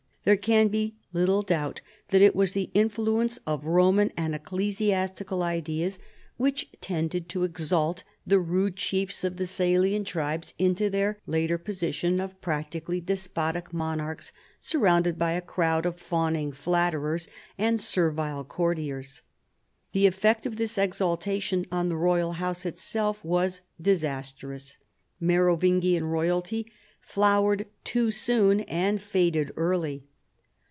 There can be little doubt that it was the influence of Roman and ecclesiastical ideas which tended to EARLY MAYORS OF THE PALACE. 17 exalt the rude chiefs of the Salian tribe into their hiter position of practically despotic monarchs, sur rounded by a crowd of fawning flatterers and servile courtiers. The effect of this exaltation on the royal house itself was disastrous. Merovingian royalty flowered too soon and faded early.